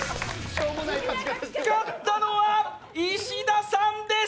勝ったのは石田さんです！